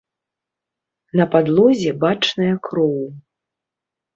На падлозе бачная кроў.